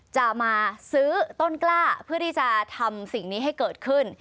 จะมาซื้อต้นกล้าเพื่อที่จะทำสิ่งนี้ให้เกิดขึ้น